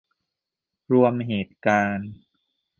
รวมเหตุการณ์